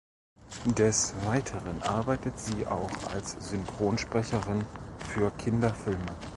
Des Weiteren arbeitet sie auch als Synchronsprecherin für Kinderfilme.